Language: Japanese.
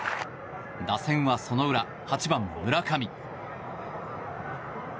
打線はその裏８番、村上。